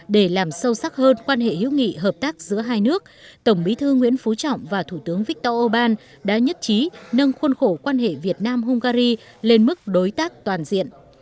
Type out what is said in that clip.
để làm sâu sắc hơn quan hệ hữu nghị hợp tác giữa hai nước tổng bí thư nguyễn phú trọng và thủ tướng viktor orbán đã nhất trí nâng khuôn khổ quan hệ việt nam hungary lên mức đối tác toàn diện